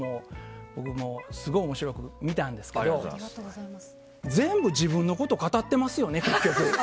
すごい面白く見ていたんですけど全部自分のことを語っていますよね、結局。